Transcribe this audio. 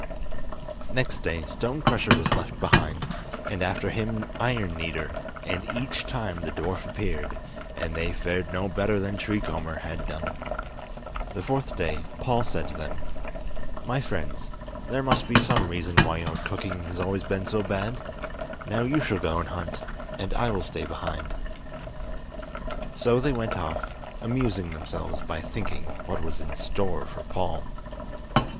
Next day Stone Crusher was left behind, and after him Iron Kneader, and each time the dwarf appeared, and they fared no better than Tree Comber had done. The fourth day Paul said to them: "My friends, there must be some reason why your cooking has always been so bad, now you shall go and hunt and I will stay behind." So they went off, amusing themselves by thinking what was in store for Paul.